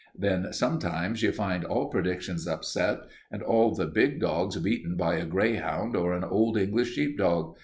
Then sometimes you find all predictions upset, and all the big dogs beaten by a greyhound or an Old English sheepdog.